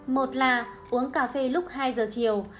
một là uống cà phê lúc hai giờ chiều